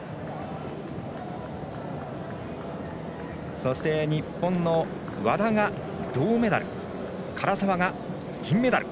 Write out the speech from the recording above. そして日本の和田が銅メダル唐澤が銀メダル。